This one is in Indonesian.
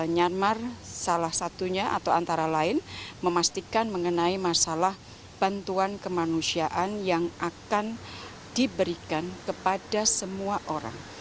myanmar salah satunya atau antara lain memastikan mengenai masalah bantuan kemanusiaan yang akan diberikan kepada semua orang